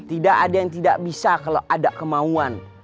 tidak ada yang tidak bisa kalau ada kemauan